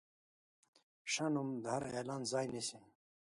ښه نوم د هر اعلان ځای نیسي.